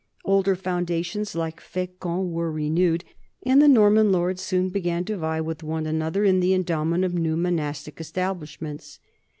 Older foundations like Fecamp were renewed, and the Norman lords soon began to vie with one another in the endowment of new monastic establishments.